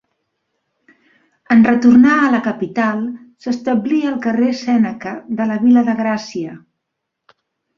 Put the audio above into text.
En retornar a la capital, s'establí al carrer Sèneca de la vila de Gràcia.